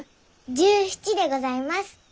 １７でございます！